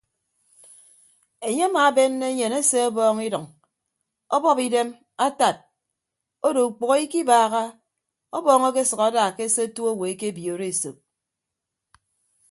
Enye amaabenne enyen ese ọbọọñ idʌñ ọbọp idem atad odo ukpәho ikibaaha ọbọọñ akesʌk ada ke se otu owo ekebiooro esop.